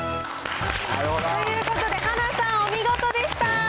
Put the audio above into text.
ということで、はなさん、お見事でした。